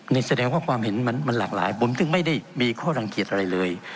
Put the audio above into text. นี่แสดงว่าความเห็นมันหลากหลายผมถึงไม่ได้มีข้อรังเกียจอะไรเลย